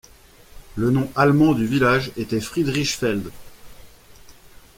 Le nom allemand du village était Friedrichsfelde.